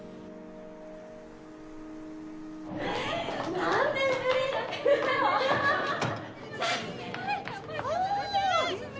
何年ぶり？